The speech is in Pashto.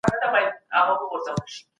شریعت د ژوند ټولو برخو ته لارښوونه کوي.